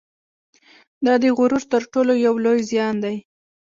دا د غرور تر ټولو یو لوی زیان دی